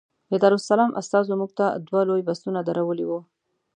د دارالسلام استازو موږ ته دوه لوی بسونه درولي وو.